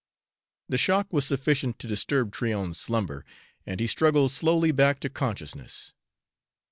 The shock was sufficient to disturb Tryon's slumber, and he struggled slowly back to consciousness.